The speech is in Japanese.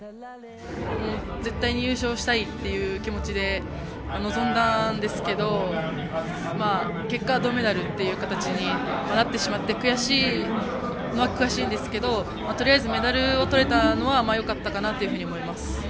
絶対に優勝したいという気持ちで臨んだんですけれども結果は銅メダルという形になってしまって悔しいは悔しいですが取りあえずメダルが取れたのはよかったと思います。